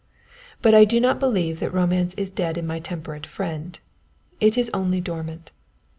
But I do not believe that romance is dead in my temperate friend, it is only dormant.